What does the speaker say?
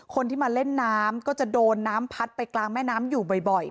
คนที่มาเล่นน้ำก็จะโดนน้ำพัดไปกลางแม่น้ำอยู่บ่อย